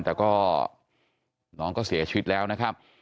แต่ก็น้องก็เสียชีวิตแล้วนะครับ